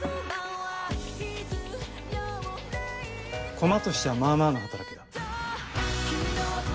コマとしてはまあまあの働きだ。